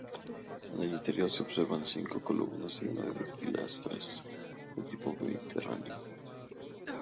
En el interior se observan cinco columnas y nueve pilastras de tipo mediterráneo.